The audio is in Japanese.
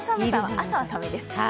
朝は寒いです。